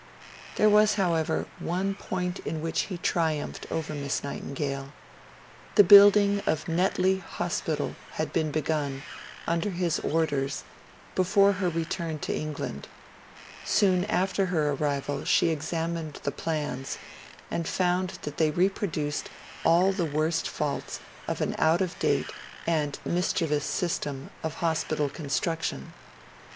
There was, however, one point in which he triumphed over Miss Nightingale: the building of Netley Hospital had been begun under his orders, before her return to England. Soon after her arrival she examined the plans, and found that they reproduced all the worst faults of an out of date and mischievous system of hospital construction.